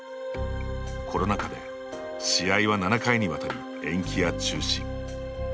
コロナ禍で試合は７回にわたり延期や中止。